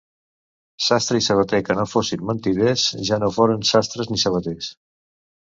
Sastre i sabater que no fossin mentiders, ja no foren sastres ni sabaters.